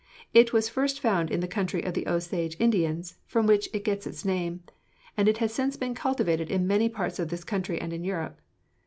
It was first found in the country of the Osage Indians, from whom it gets its name, and it has since been cultivated in many parts of this country and in Europe.